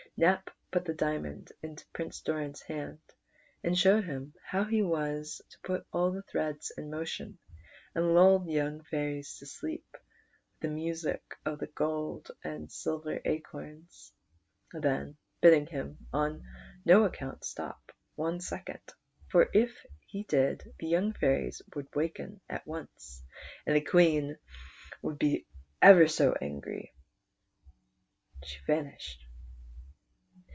Nap put the diamond into Prince Doran's hand, and showed him how he was to put all the threads in motion, and lull the young fairies to sleep with the music of the gold and silver acorns ; then bidding him on no account stop one second, for if he did the young fairies would waken at once, and the Queen be ever so angry, she vanished.